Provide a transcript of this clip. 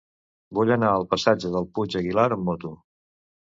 Vull anar al passatge del Puig Aguilar amb moto.